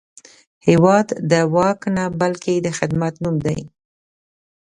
هېواد د واک نه، بلکې د خدمت نوم دی.